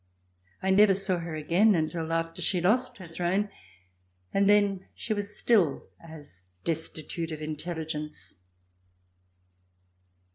I never saw her again until after she lost her throne, and then she was still as destitute of intelligence.